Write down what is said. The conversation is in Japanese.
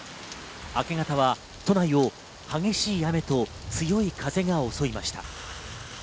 明け方は都内を激しい雨と強い風が襲いました。